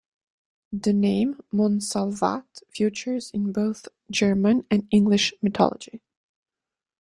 The name Montsalvat features in both German and English mythology.